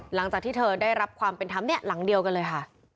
หลังจากที่เธอได้รับความเป็นธรรมเนี่ยหลังเดียวกันเลยค่ะ